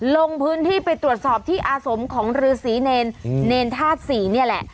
ลงพื้นที่ไปตรวจสอบที่อาสมของฤษีเนรเนรธาตุศรีนี่แหละ